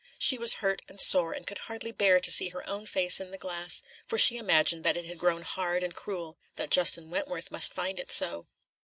She was hurt and sore, and could hardly bear to see her own face in the glass, for she imagined that it had grown hard and cruel that Justin Wentworth must find it so.